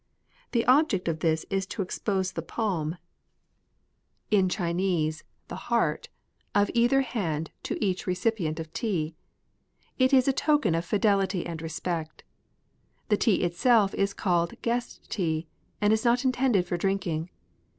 The object of this is to expose the palm — in Chinese, ETIQUETTE. 17 the heart — of either hand to each recipient of tea. It is a token of fidelity and respect. The tea itself is called " guest tea," and is not intended for drinking.